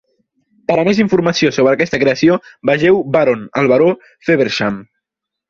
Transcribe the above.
Per a més informació sobre aquesta creació, vegeu Baron el baró Feversham.